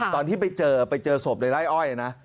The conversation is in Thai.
ตอนที่ไปเจอไปเจอศพในไร่อ้อยนะ